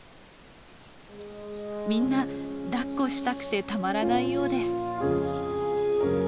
みんなだっこしたくてたまらないようです。